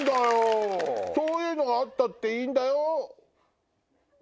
そういうのがあったっていいんだよ？